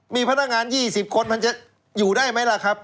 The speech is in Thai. มีพนักงาน๒๐คนมันจะอยู่ได้ไหมล่ะครับ